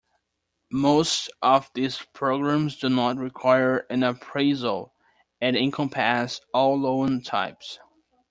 Most of these programs do not require an appraisal, and encompass all loan types.